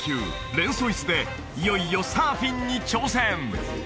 レンソイスでいよいよサーフィンに挑戦！